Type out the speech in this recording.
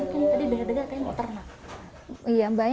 terus ada lagi mungkin tadi biar dega kayaknya mau ternak